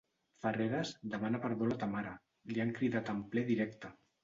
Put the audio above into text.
Ferreras, demana perdó a la Tamara, li han cridat en ple directe.